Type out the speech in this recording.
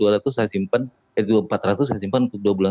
rp empat ratus saya simpan untuk dua bulan